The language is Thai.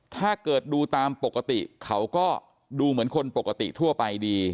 ถ้าเกิดดูตามปกติเขาก็ดูเหมือนคนปกติทั่วไปดี